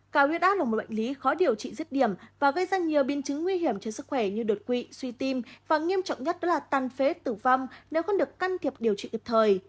cào nguyết áp là một bệnh lý khó điều trị diết điểm và gây ra nhiều biên chứng nguy hiểm cho sức khỏe như đột quỵ suy tim và nghiêm trọng nhất là tàn phế tử vong nếu không được can thiệp điều trị ập thời